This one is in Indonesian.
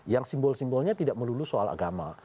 yang simbol simbolnya tidak melulu soal agama